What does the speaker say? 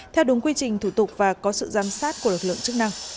theo đúng quy trình thủ tục và có sự giám sát của lực lượng chức năng